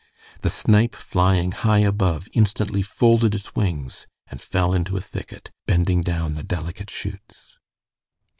The snipe flying high above instantly folded its wings and fell into a thicket, bending down the delicate shoots.